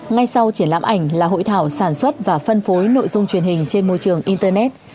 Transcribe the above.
ngay sau triển lãm ảnh là hội thảo sản xuất và phân phối nội dung truyền hình trên môi trường internet